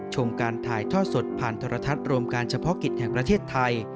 ชมการถ่ายทอดสดผ่านโทรทัศน์รวมการเฉพาะกิจแห่งประเทศไทย